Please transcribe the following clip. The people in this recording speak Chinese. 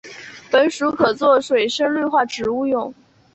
本属可做水生绿化植物用。